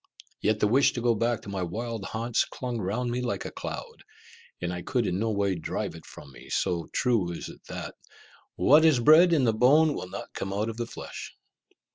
Yet the wish to go back to my wild haunts clung round me like a cloud, and I could in no way drive it from me, so true is it that "what is bred in the bone will not come out of the flesh."